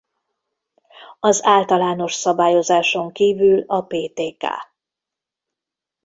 Az általános szabályozáson kívül a Ptk.